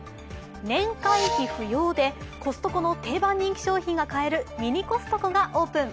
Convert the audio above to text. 年会費不要でコストコの定番商品が買えるミニコストコがオープン。